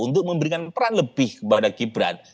untuk memberikan peran lebih kepada gibran